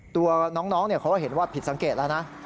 ตัวน้องเขาก็เห็นว่าผิดสังเกตแล้วนะ